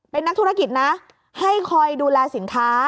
เป็นนักธุรกิจนะให้คอยดูแลสินค้า